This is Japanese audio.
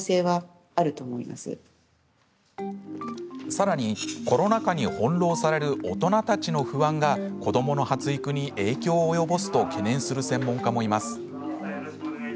さらに、コロナ禍に翻弄される大人たちの不安が子どもの発育に影響を及ぼすと懸念する専門家もいます。